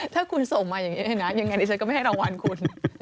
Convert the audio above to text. ถ้าคุณส่งมาอย่างนี้นะยังไงดิฉันก็ไม่ให้รางวัลคุณ